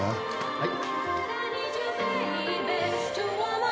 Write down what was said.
はい。